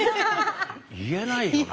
言えないよな。